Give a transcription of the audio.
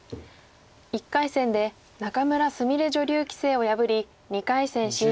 １回戦で仲邑菫女流棋聖を破り２回戦進出です。